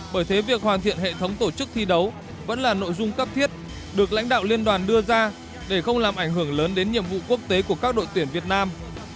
bởi thế việc hoàn thiện hệ thống tổ chức thi đấu vẫn là nội dung cấp thiết được lãnh đạo liên đoàn đưa ra để không làm ảnh hưởng lớn đến nhiệm vụ quốc tế của các đội tuyển việt nam